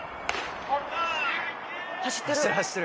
走ってる。